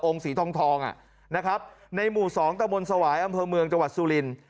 สีทองนะครับในหมู่๒ตะมนต์สวายอำเภอเมืองจังหวัดสุรินทร์